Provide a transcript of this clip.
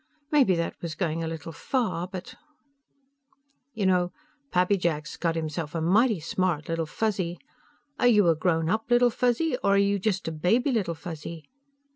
Maybe that was going a little far, but.... "You know, Pappy Jack's got himself a mighty smart Little Fuzzy. Are you a grown up Little Fuzzy, or are you just a baby Little Fuzzy?